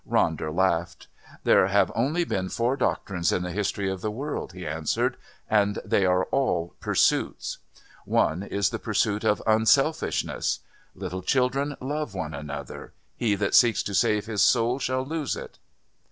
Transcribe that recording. Ronder laughed. "There have only been four doctrines in the history of the world," he answered, "and they are all Pursuits. One is the pursuit of Unselfishness. 'Little children, love one another. He that seeks to save his soul shall lose it.'